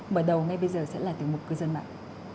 mở đầu ngay bây giờ sẽ là tiểu mục cư dân mạng